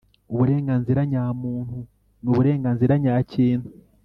uburenganzira nyamuntu n uburenganzira nyakintu